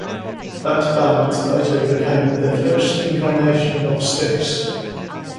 That band later became the first incarnation of Styx.